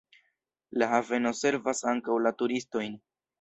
La haveno servas ankaŭ la turistojn.